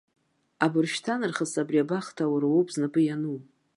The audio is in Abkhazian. Абыржәшьҭарнахыс абри абахҭа уара уоуп знапы иану.